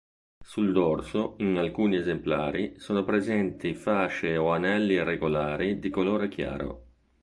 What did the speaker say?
Sul dorso, in alcuni esemplari, sono presenti fasce o anelli irregolari di colore chiaro.